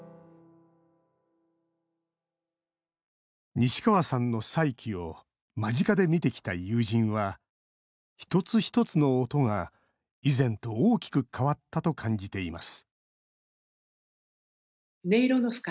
西川さんの再起を間近で見てきた友人はひとつひとつの音が以前と大きく変わったと感じています